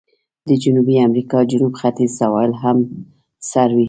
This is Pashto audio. د جنوبي امریکا جنوب ختیځ سواحل هم سړ وي.